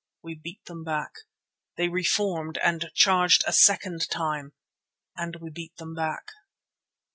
We beat them back. They reformed and charged a second time and we beat them back.